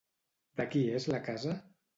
De qui és la casa?